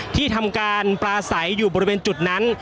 ที่ทำการปลาใสอยู่บริเวณจุดนั้น